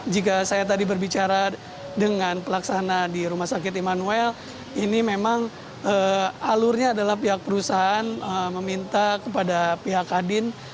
jika saya tadi berbicara dengan pelaksana di rumah sakit immanuel ini memang alurnya adalah pihak perusahaan meminta kepada pihak kadin